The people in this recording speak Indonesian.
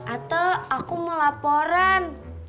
ate aku mau laporan